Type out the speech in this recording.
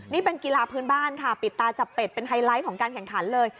นี่เป็นกีฬาพื้นบ้านค่ะปิดตาจับเป็ดเป็นไฮไลท์ของการแข่งขันเลย